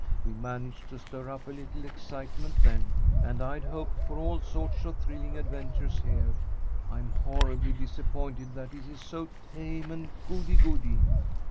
We managed to stir up a little excitement then, and I'd hoped for all sorts of thrilling adventures here. I'm horribly disappointed that it's so tame and goody goody."